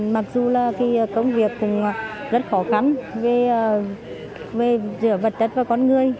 mặc dù là công việc cũng rất khó khăn về giữa vật chất và con người